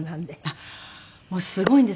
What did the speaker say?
あっもうすごいんです。